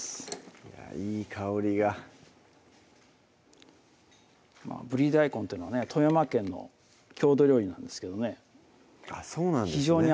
いい香りが「ブリ大根」っていうのはね富山県の郷土料理なんですけどねあっそうなんですね